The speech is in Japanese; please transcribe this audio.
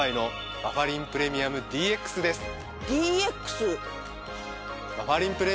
バファリンプレミアムＤＸは。